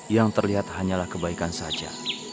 yang terlihat hanyalah kebaikan saja